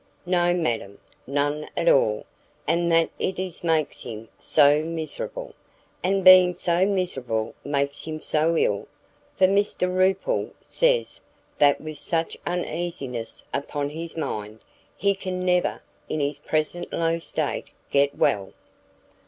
"No, madam, none at all; and that it is makes him so miserable, and being so miserable makes him so ill, for Mr Rupil says that with such uneasiness upon his mind, he can never, in his present low state, get well.